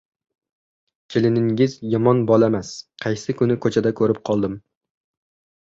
— Keliningiz yomon bolamas, qaysi kuni ko‘chada ko‘rib qoldim.